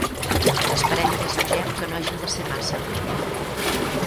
Esperem i desitgem que no hagin de ser massa.